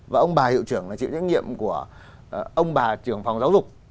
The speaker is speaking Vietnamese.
và ông bà hiệu trưởng là chịu trách nhiệm của ông bà trưởng phòng giáo dục